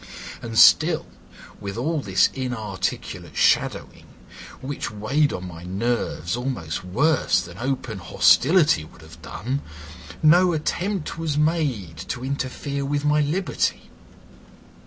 And still, with all this inarticulate shadowing, which weighed on my nerves almost worse than open hostility would have done, no attempt was made to interfere with my liberty.